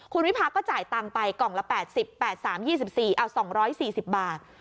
คุณวิพาก็จ่ายตังค์ไปกล่องละ๘๐๘๓๒๔เอา๒๔๐บาท